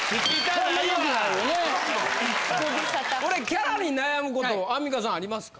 キャラに悩むことアンミカさんありますか？